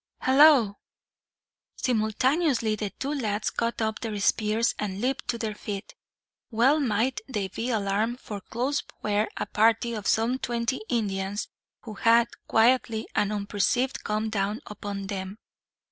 "Hallo!" Simultaneously, the two lads caught up their spears and leaped to their feet. Well might they be alarmed, for close by were a party of some twenty Indians who had, quietly and unperceived, come down upon them.